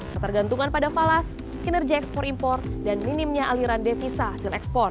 ketergantungan pada falas kinerja ekspor impor dan minimnya aliran devisa hasil ekspor